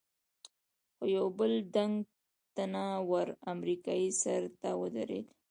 خو یو بل ډنګ، تنه ور امریکایي سر ته ودرېد.